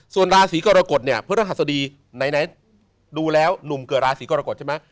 ส่วนราศีกรกฎเนี่ยพฤหัสดีไหนดูแล้วหนุ่มเกิดราศีกรกฎใช่ไหม